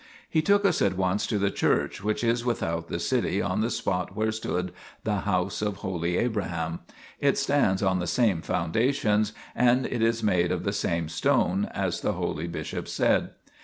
He took us at once to the church, which is without the city on the spot where stood the house of holy Abraham ; it stands on the same foundations, and it is made of the same stone, as the holy bishop said.